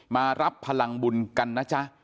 มารับพลังบุญกันนะจ๊ะ